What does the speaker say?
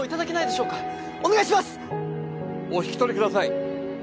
お引き取りください。